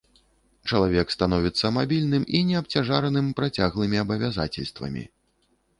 Чалавек становіцца мабільным і не абцяжараным працяглымі абавязацельствамі.